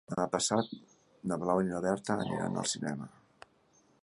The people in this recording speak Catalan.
Demà passat na Blau i na Berta aniran al cinema.